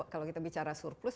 kalau kita bicara surplus